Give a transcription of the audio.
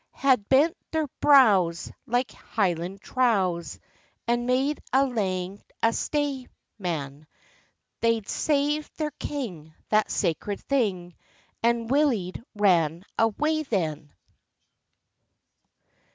Had bent their brows, like Highland trows, And made as lang a stay, man, They'd sav'd their king, that sacred thing, And Willie'd ran awa' then.